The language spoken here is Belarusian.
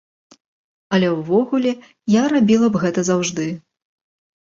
Але ўвогуле я рабіла б гэта заўжды!